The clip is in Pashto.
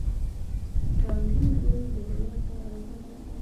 د انګور ګل د زړه لپاره وکاروئ